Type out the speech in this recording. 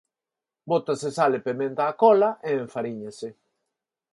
Bótase sal e pementa á cola e enfaríñase.